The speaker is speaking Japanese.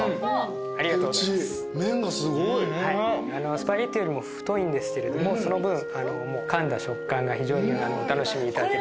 スパゲティよりも太いんですけれどもその分かんだ食感が非常にお楽しみいただける。